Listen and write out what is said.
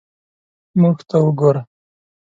موږ ته وګوره.